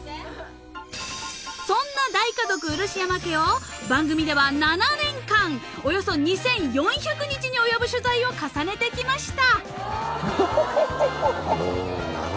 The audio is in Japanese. ［そんな大家族うるしやま家を番組では７年間およそ２，４００日に及ぶ取材を重ねてきました］